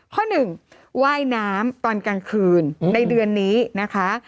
ข้อหนึ่งว่ายน้ำตอนกลางคืนในเดือนนี้นะคะ